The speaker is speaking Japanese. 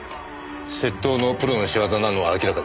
窃盗のプロの仕業なのは明らかでした。